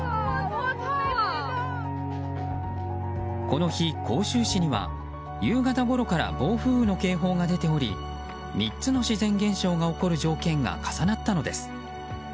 この日、杭州市には夕方ごろから暴風雨の警報が出ており３つの自然現象が起こる条件が重なったのです。